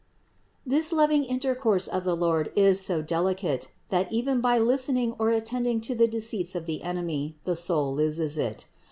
This lov ing intercourse of the Lord is so delicate, that even by listening or attending to the deceits of the enemy, the soul loses it.